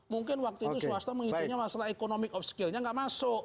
mungkin waktu itu swasta mengikuti masalah economic of skill nya nggak masuk